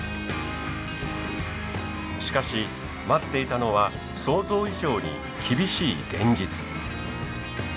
しかし待っていたのは想像以上に厳しい現実。